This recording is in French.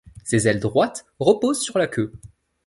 Ses ailes droites reposent sur la queue.